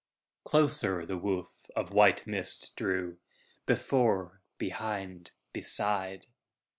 Closer the woof of white mist drew, Before, behind, beside.